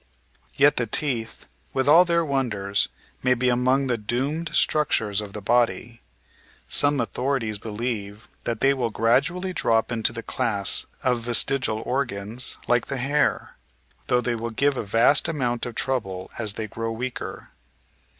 Yet the teeth, with all their wonders, may be among the doomed structures of the body. Some authorities believe that they will gradually drop into the class of vestigial organs, like the hair, though they will give a vast amount of trouble as they grow weaker.